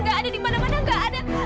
larang di mana sekarang